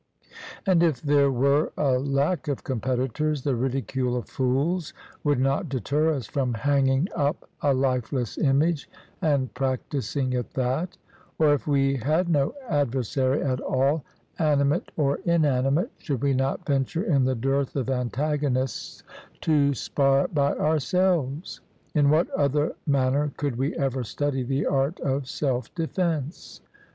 And if there were a lack of competitors, the ridicule of fools would not deter us from hanging up a lifeless image and practising at that. Or if we had no adversary at all, animate or inanimate, should we not venture in the dearth of antagonists to spar by ourselves? In what other manner could we ever study the art of self defence?